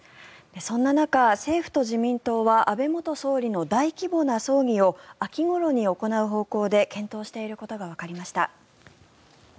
そんな中、政府と自民党は安倍元総理の大規模な葬儀を秋ごろに行う方向で検討していることがわかりました。